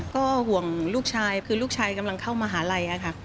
ก็ห่วงลูกชายคือลูกชายกำลังเข้ามหาลัยค่ะ